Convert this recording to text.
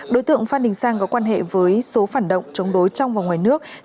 đối tượng phan đình sang có quan hệ với số phản động chống đối trong và ngoài nước